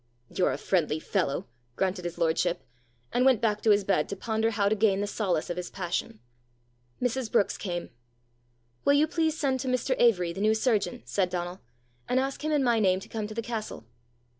"You're a friendly fellow!" grunted his lordship, and went back to his bed to ponder how to gain the solace of his passion. Mrs. Brookes came. "Will you please send to Mr. Avory, the new surgeon," said Donal, "and ask him, in my name, to come to the castle."